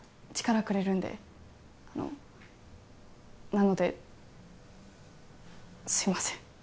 力くれるんであのなのですいません